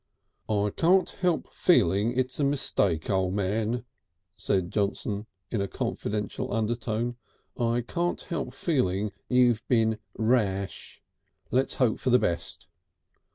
"I can't help feeling it's a mistake, O' Man," said Johnson, in a confidential undertone. "I can't help feeling you've been Rash. Let's hope for the best."